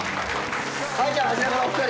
はいじゃああちらからお二人。